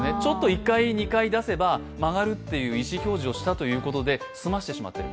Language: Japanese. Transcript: １回、２回出せば曲がるという意思表示をしたということで済ましてしまっている。